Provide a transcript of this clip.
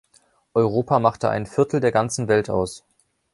Europa machte ein Viertel der ganzen Welt aus.